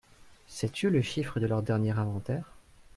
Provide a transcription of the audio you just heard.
Sais-tu le chiffre de leur dernier inventaire ?